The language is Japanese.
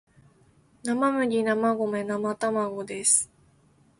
生麦生米生卵です